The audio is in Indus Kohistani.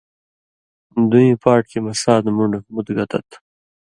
دُوییں پاٹکی مہ سات مُون٘ڈہۡ مُت گتہ تھہ